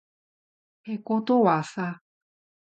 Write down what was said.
てことはさ